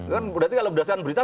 kan berarti kalau berdasarkan berita